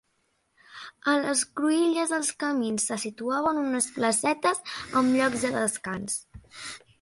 A les cruïlles dels camins se situaven unes placetes amb llocs de descans.